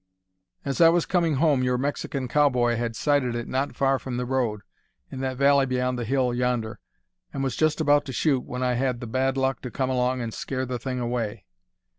As I was coming home your Mexican cowboy had sighted it not far from the road, in that valley beyond the hill yonder, and was just about to shoot when I had the bad luck to come along and scare the thing away."